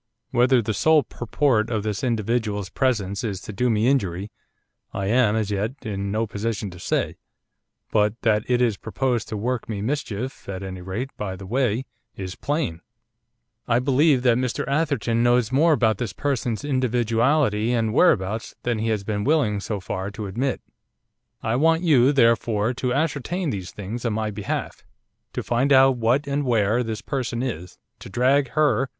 Whether the sole purport of this individual's presence is to do me injury, I am, as yet, in no position to say, but that it is proposed to work me mischief, at any rate, by the way, is plain. I believe that Mr Atherton knows more about this person's individuality and whereabouts than he has been willing, so far, to admit. I want you, therefore, to ascertain these things on my behalf; to find out what, and where, this person is, to drag her!